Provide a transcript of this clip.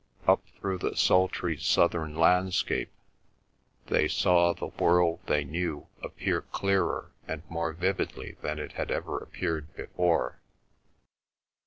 Up through the sultry southern landscape they saw the world they knew appear clearer and more vividly than it had ever appeared before.